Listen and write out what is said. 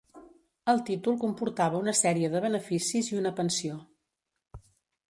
El títol comportava una sèrie de beneficis i una pensió.